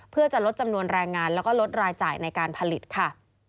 เพื่อจะลดจำนวนแรงงานแล้วก็ลดรายจ่ายในการผลิตค่ะ